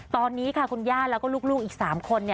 ตอนนี้ค่ะคุณย่าแล้วก็ลูกอีก๓คน